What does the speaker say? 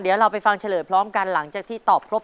เดี๋ยวเราไปฟังเฉลยพร้อมกันหลังจากที่ตอบครบ